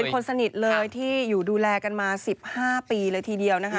คนสนิทเลยที่อยู่ดูแลกันมา๑๕ปีเลยทีเดียวนะคะ